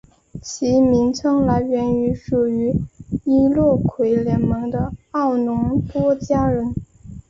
其名称来源于属于易洛魁联盟的奥农多加人。